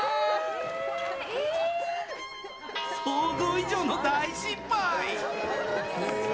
想像以上の大失敗。